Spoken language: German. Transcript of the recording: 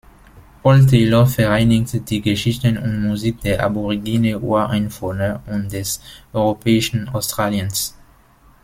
Paul Taylor vereinigt die Geschichten und Musik der Aborigine Ureinwohner und des europäischen Australiens.